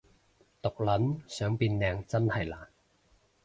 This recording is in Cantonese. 毒撚想變靚真係難